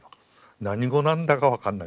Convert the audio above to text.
何語なんだか分かんない。